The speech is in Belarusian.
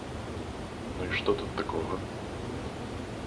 Ну і што тут такога?